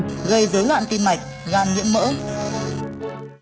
gây dưới ngạn tim mạch gan nhiễm mỡ